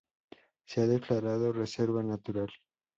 Se ha declarado Reserva Natural.